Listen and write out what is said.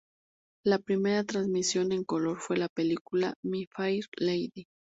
La primera transmisión en color fue la película "My Fair Lady".